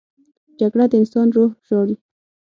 جګړه د انسان روح ژاړي